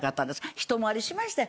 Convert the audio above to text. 一回りしましてん。